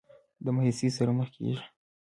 د مايوسۍ سره مخ کيږي